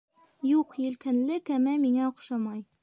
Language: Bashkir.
Юҡ, елкәнле кәмә миңә оҡшамай